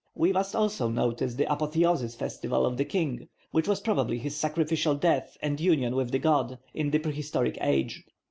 We must also notice the apotheosis festival of the king, which was probably his sacrificial death and union with the god, in the prehistoric age.